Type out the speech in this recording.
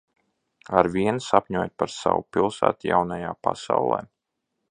Arvien sapņojat par savu pilsētu Jaunajā Pasaulē?